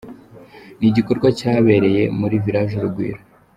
Ni igikorwa cyabereye muri Village Urugwiro.